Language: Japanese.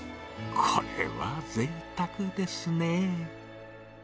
これはぜいたくですね。